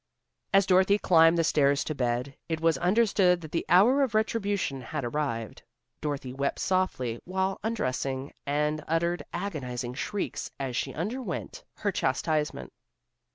As Dorothy climbed the stairs to bed, it was understood that the hour of retribution had arrived. Dorothy wept softly while undressing, and uttered agonizing shrieks as she underwent her chastisement.